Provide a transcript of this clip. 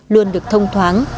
luôn được thông thoáng